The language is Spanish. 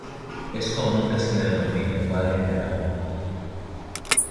Es común que se le denomine Padre General.